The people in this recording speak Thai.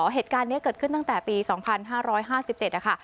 เหตุการณ์นี้เกิดขึ้นตั้งแต่ปี๒๕๕๗นะคะ